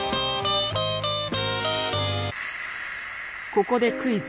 ここでクイズ。